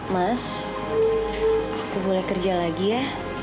mas aku boleh kerja lagi ya